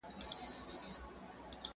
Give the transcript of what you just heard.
سپورټ د روغتیا لپاره مهم دی